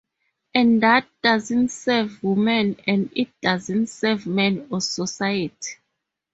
and that doesn’t serve women and it doesn’t serve men or society.